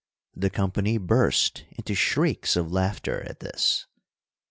The company burst into shrieks of laughter at this.